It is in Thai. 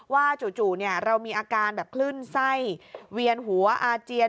ว่าจู่เรามีอาการขึ้นไส้เวียนหัวอาเจียน